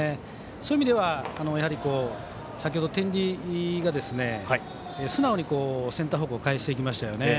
そういう意味では先程、天理が素直にセンター方向に返していきましたよね。